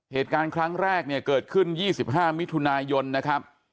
เหตุการณ์ครั้งแรกเนี่ยเกิดขึ้น๒๕มิถุนายนนะครับ